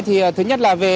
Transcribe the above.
thì thứ nhất là về